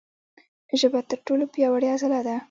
ژبه تر ټولو پیاوړې عضله ده.